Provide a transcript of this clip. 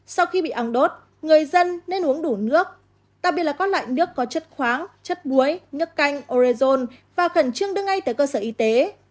sau khi bị ong đốt người dân nên uống đủ nước đặc biệt là có loại nước có chất khoáng chất búi nước canh orezone và khẩn trương đưa ngay tới cơ sở y tế